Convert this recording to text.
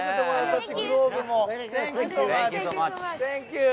サンキュー。